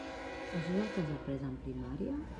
Això és el que has aprés en primària?